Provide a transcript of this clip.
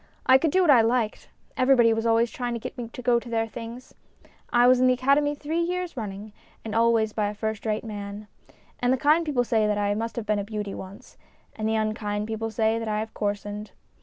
I could do what I liked ; everybody was always trying to get me to go to their things. I was in the Academy three years running, and always by a first rate man. And the kind people say that I must have been a beauty once, and the unkind people say that I have " coarsened."